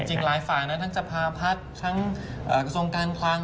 จริงหลายฝ่านั้นทั้งจับพาพัดทั้งกระทรวงการคลัง